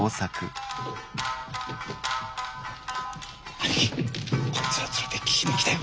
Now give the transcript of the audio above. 兄貴こいつら連れて聴きに来たよ。